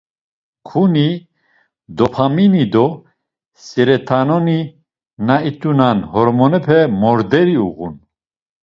Kuni, Dopamini do Seratonini na it̆unan hormonepe morderi uğun.